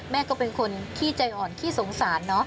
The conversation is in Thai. แม่ก็เป็นคนขี้ใจอ่อนขี้สงสารเนอะ